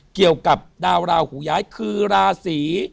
เกี่ยวกับดาวราหูย้ายคือราศี